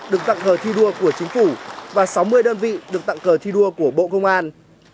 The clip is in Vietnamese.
được tặng cờ thi đua của chính phủ và sáu mươi đơn vị được tặng cờ thi đua của bộ công an